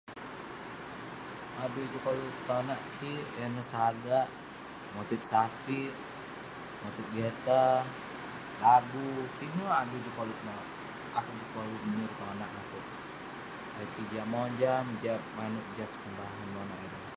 Adui juk koluk tonak kik yan neh sagak, motit sapik, motit gitar, lagu, pinek adui juk koluk tenonak. akouk juk koluk menyuk ireh tonak akouk, ayuk kik jiak mojam, jiak manouk jah persembahan monak ireh.